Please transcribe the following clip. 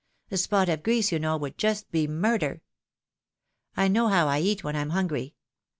A spot of grease, you know, would just be murder. I know how I eat when I'm hungry.